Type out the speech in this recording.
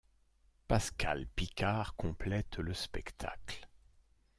Pascale Picard complète le spectacle.